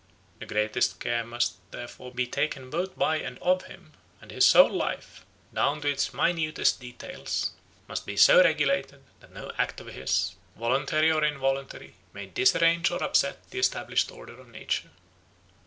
The greatest care must, therefore, be taken both by and of him; and his whole life, down to its minutest details, must be so regulated that no act of his, voluntary or involuntary, may disarrange or upset the established order of nature.